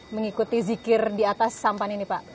mengikuti zikir di atas sampan ini pak